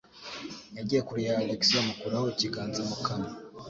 Yagiye kure ya Alex, amukuraho ikiganza mu kanwa.